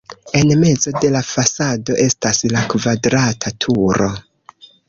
En mezo de la fasado estas la kvadrata turo.